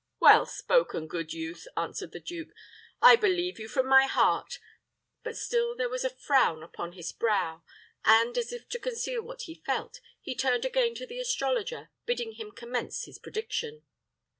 "Well spoken, good youth," answered the duke. "I believe you from my heart;" but still there was a frown upon his brow, and, as if to conceal what he felt, he turned again to the astrologer, bidding him commence his prediction.